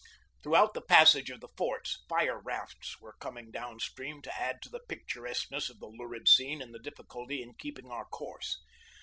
Throughout the passage of the forts fire rafts were coming down stream to add to the picturesque ness of the lurid scene and the difficulty of keeping our course.